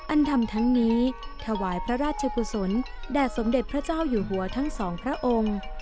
ทำทั้งนี้ถวายพระราชกุศลแด่สมเด็จพระเจ้าอยู่หัวทั้งสองพระองค์